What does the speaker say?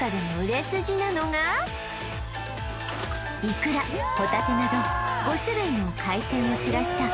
イクラホタテなど５種類の海鮮を散らした